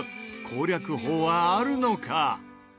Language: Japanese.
攻略法はあるのか？